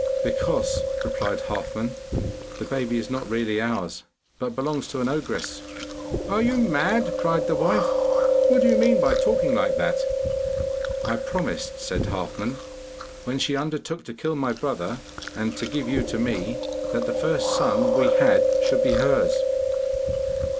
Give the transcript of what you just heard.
'Because,' replied Halfman, 'the baby is not really ours, but belongs to an ogress.' 'Are you mad?' cried the wife. 'What do you mean by talking like that?' 'I promised,' said Halfman, 'when she undertook to kill my brother and to give you to me, that the first son we had should be hers.